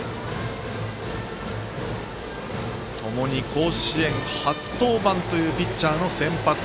ともに甲子園初登板というピッチャーの先発。